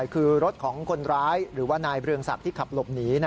คือรถของคนร้ายหรือว่านายเรืองศักดิ์ที่ขับหลบหนี